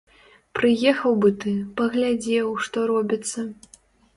Прыехаў бы ты, паглядзеў, што робіцца.